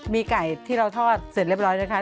มีไก่ที่เราทอดเสร็จเรียบร้อยนะคะ